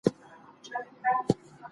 سیال هیواد نظامي تمرینات نه ترسره کوي.